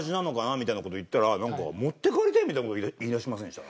みたいな事言ったらなんか「持って帰りたい」みたいな事言い出しませんでした？